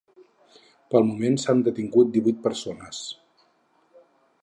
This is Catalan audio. Pel moment s’han detingut divuit persones.